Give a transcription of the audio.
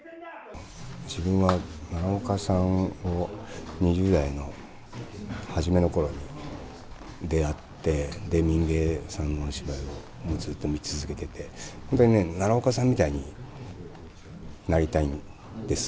自分は奈良岡さんを２０代の初めの頃に出会ってで「民藝」さんのお芝居をずっと見続けててそれでね奈良岡さんみたいになりたいんです。